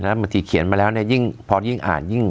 แล้วบางทีเขียนมาแล้วเนี่ยพอยิ่งอ่าน